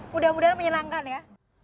mudah mudahan menyenangkan ya